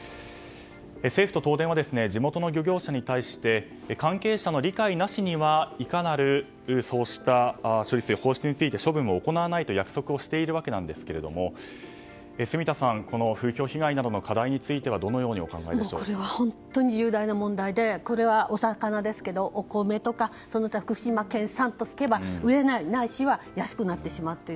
政府と東電は地元の漁業者に対して関係者の理解なしにはいかなるそうした処理水放出についていかなる処分も行わないと約束しているわけなんですけれども住田さん、この風評被害などの課題についてはこれは本当に重大な問題でこれはお魚ですけどお米などにおいても売れないないしは安くなってしまうという。